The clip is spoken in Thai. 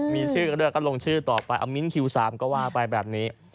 มีชื่อกันด้วยก็ลงชื่อต่อไปเอามิ้นคิว๓ก็ว่าไปแบบนี้